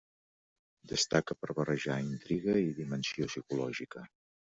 Destaca per barrejar intriga i dimensió psicològica.